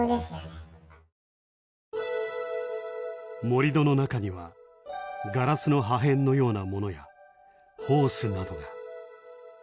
盛り土の中にはガラスの破片のようなものやホースなどが。